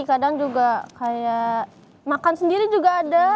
kadang juga kayak makan sendiri juga ada